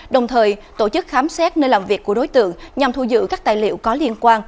đồng thời tổ chức khám xét nơi làm việc của đối tượng nhằm thu giữ các tài liệu có liên quan